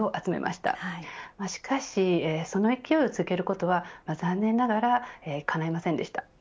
しかし、その勢いを続けることは残念ながらかないませんでした。